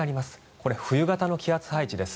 これ、冬型の気圧配置です。